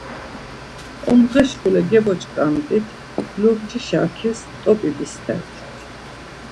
Ondǧe şkule geboç̌ǩamt̆it̆, lumcut̆a şaǩis t̆opi bistert̆it̆.